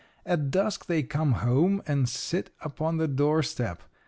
At dusk they come home and sit upon the door step.